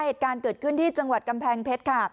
เหตุการณ์เกิดขึ้นที่จังหวัดกำแพงเพชรค่ะ